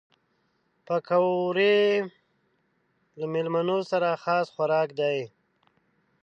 پکورې له مېلمنو سره خاص خوراک دي